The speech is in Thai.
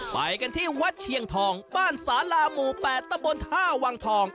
ไปกันที่วัดเชียงทองบ้านสาลาหมู่๘ตำบลท่าวังทอง